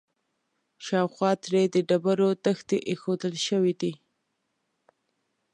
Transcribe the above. شاوخوا ترې د ډبرو تختې ایښودل شوي دي.